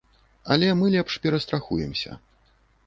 Але мы лепш перастрахуемся.